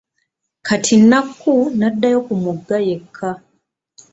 Kati Nakku n'addayo ku mugga yekka.